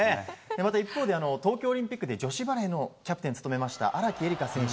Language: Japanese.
一方で東京オリンピックで女子バレーのキャプテンを務めました荒木絵里香選手